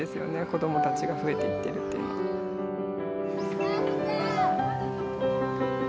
子どもたちが増えていってるというのは。